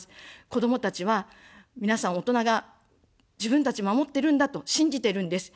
子どもたちは、皆さん大人が、自分たち守ってるんだと信じてるんです。